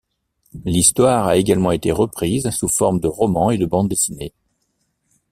L'histoire a également été reprise sous forme de romans et de bandes dessinées.